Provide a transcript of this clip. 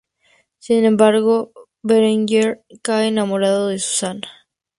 Sin embargo, Berenguer cae enamorado de Susana.